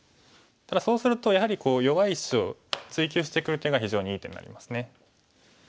ただそうするとやはり弱い石を追及してくる手が非常にいい手になりますね。